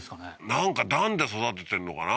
なんか段で育ててるのかな？